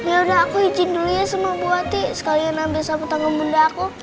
yaudah aku izin dulu ya sama buati sekalian ambil sebut tangga bunda aku